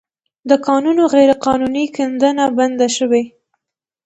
د کانونو غیرقانوني کیندنه بنده شوې